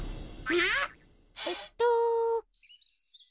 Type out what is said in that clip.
あえっと。